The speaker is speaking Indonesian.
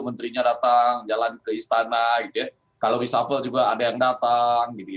menterinya datang jalan ke istana gitu ya kalau reshuffle juga ada yang datang